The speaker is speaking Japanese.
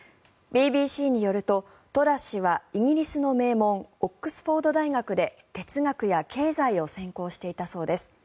ＢＢＣによるとトラス氏はイギリスの名門オックスフォード大学で哲学や経済を専攻していたそうです。